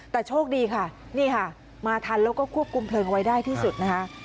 แต่โชคดีค่ะนี่ค่ะมาทันแล้วก็ควบคุมเพลิงไว้ได้ที่สุดนะคะ